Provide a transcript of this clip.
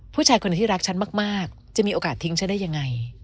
ผู้ชายคนที่รักฉันมากจะมีโอกาสทิ้งฉันได้ยังไง